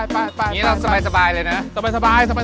อันนี้เราสบายเลยนะ